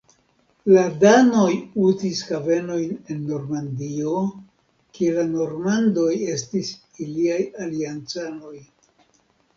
La danoj uzis havenojn en Normandio kie la normandoj estis iliaj aliancanoj.